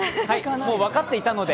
もう分かっていたので。